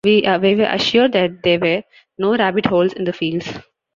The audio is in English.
We were assured that there were no rabbit-holes in the fields.